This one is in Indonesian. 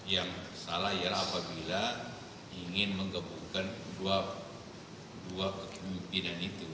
yang salah ialah apabila ingin menggabungkan dua kepimpinan itu